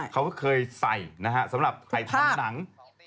เขาเคยใส่สำหรับถ่ายทำหนัง